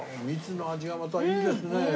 蜜の味がまたいいですね。